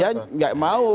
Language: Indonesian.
ya nggak mau